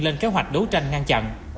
lên kế hoạch đấu tranh ngăn chặn